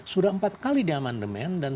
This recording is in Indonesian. sudah empat kali diamandemen dan